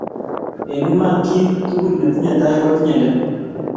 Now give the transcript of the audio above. eng Iman kiiy tugul netinye tai kotinye leet